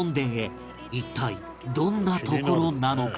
一体どんな所なのか？